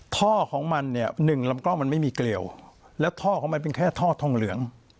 ท่อของมันเนี่ยหนึ่งลำกล้องมันไม่มีเกลียวแล้วท่อของมันเป็นแค่ท่อทองเหลือง